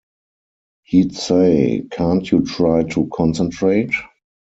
He'd say "Can't you try to concentrate?"